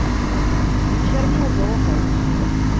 Amek armi i wen-ṛuḥent?